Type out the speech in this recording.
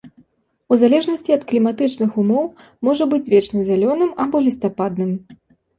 У залежнасці ад кліматычных умоў можа быць вечназялёным або лістападным.